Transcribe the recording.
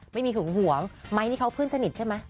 มัยนี่เขาเพื่อนสนิทใช่มั้ย